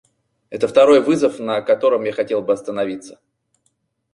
Это второй вызов, на котором я хотел бы остановиться.